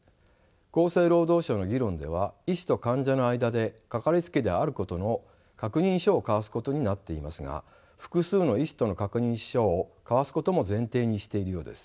厚生労働省の議論では医師と患者の間でかかりつけ医であることの確認書を交わすことになっていますが複数の医師との確認書を交わすことも前提にしているようです。